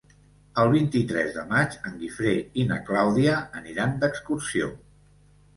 El vint-i-tres de maig en Guifré i na Clàudia aniran d'excursió.